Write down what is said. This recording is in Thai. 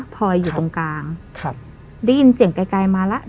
พลอยอยู่ตรงกลางครับได้ยินเสียงไกลไกลมาแล้ว